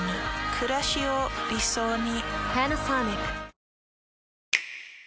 くらしを理想に。